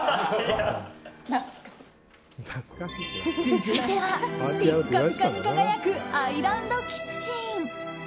続いては、ピッカピカに輝くアイランドキッチン。